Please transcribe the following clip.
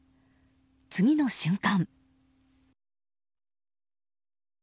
次の瞬間。